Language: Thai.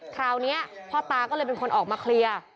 คราวนี้พ่อตาก็เลยเป็นคนออกมาเคลียร์